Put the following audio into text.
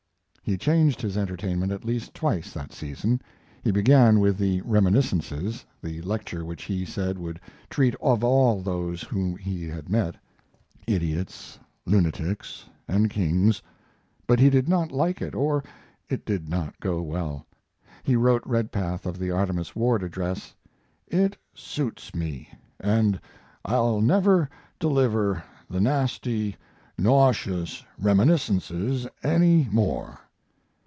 He changed his entertainment at least twice that season. He began with the "Reminiscences," the lecture which he said would treat of all those whom he had met, "idiots, lunatics, and kings," but he did not like it, or it did not go well. He wrote Redpath of the Artemus Ward address: "It suits me, and I'll never deliver the nasty, nauseous 'Reminiscences' any more."